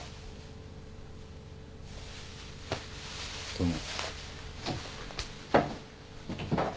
どうも。